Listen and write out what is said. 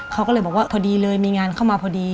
เขาก็เลยบอกว่าพอดีเลยมีงานเข้ามาพอดี